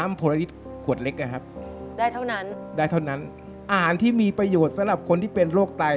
อาหารที่มีประโยชน์สำหรับคนที่เป็นโรคไต